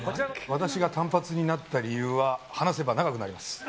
私が短髪になった理由は話せば長くなります。